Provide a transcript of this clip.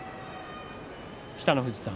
北の富士さん